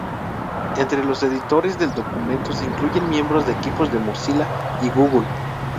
Entre los editores del documento se incluyen miembros de equipos de Mozilla y Google.